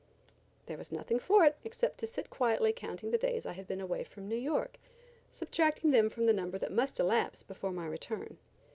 There was nothing for it except to sit quietly counting the days I had been away from New York; subtracting them from the number that must elapse before my return.